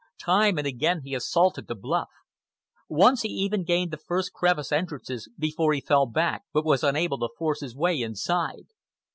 Time and again he assaulted the bluff. Once he even gained the first crevice entrances before he fell back, but was unable to force his way inside.